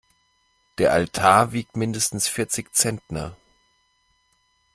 Der Altar wiegt mindestens vierzig Zentner.